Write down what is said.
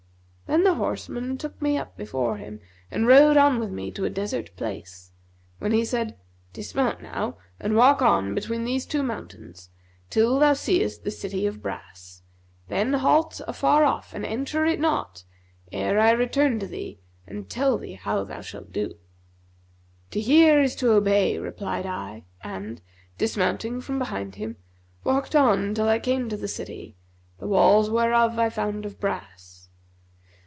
Then the horseman took me up behind him and rode on with me to a desert place, when he said, 'Dismount now and walk on between these two mountains, till thou seest the City of Brass;[FN#242] then halt afar off and enter it not, ere I return to thee and tell thee how thou shalt do.' 'To hear is to obey,' replied I and, dismounting from behind him, walked on till I came to the city, the walls whereof I found of brass.